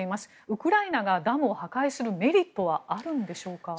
ウクライナがダムを破壊するメリットはあるんでしょうか？